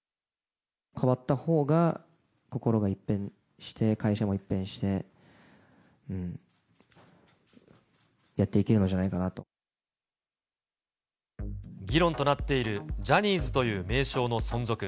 変わったほうが、心が一変して、会社も一変して、議論となっているジャニーズという名称の存続。